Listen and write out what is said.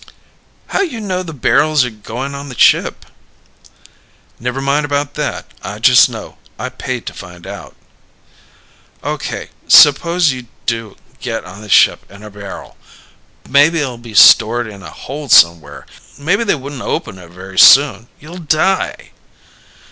"How you know the barrels are going on the ship?" "Never mind about that. I just know. I paid to find out." "Okay suppose you do get on the ship in a barrel. Maybe it'll be stored in a hold somewhere. Maybe they wouldn't open it very soon. You'd die."